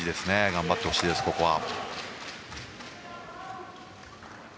頑張ってほしいです、ここは。